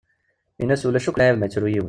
Ini-as Ulac akk lɛib ma yettru yiwen.